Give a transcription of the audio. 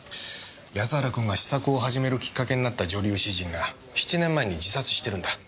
安原君が詩作を始めるきっかけになった女流詩人が７年前に自殺してるんだ。